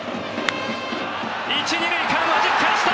１・２塁間はじき返した！